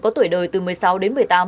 có tuổi đời từ một mươi sáu đến một mươi tám